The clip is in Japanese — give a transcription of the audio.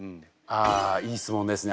あいい質問ですね。